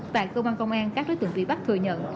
tại công an công an các đối tượng bị bắt thừa nhận